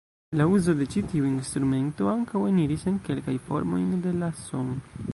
La uzo de ĉi tiu instrumento ankaŭ eniris en kelkajn formojn de la "son".